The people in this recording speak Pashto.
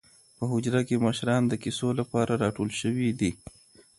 په حجره کې مشران د کیسو لپاره راټول شوي دي.